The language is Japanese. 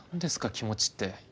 気持ちって。